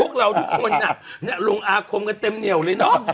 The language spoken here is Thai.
พวกเราทุกคนน่ะลงอาคมกันเต็มเหนียวเลยเนอะ